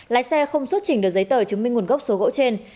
lái xe không xuất trình được giấy tờ chứng minh nguồn gốc số gỗ trên